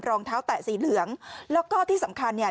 รองเท้าแตะสีเหลืองแล้วก็ที่สำคัญเนี่ย